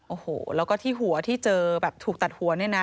โอ้โหแล้วก็ที่หัวที่เจอแบบถูกตัดหัวเนี่ยนะ